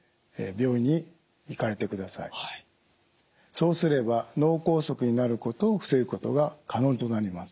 そうすれば脳梗塞になることを防ぐことが可能となります。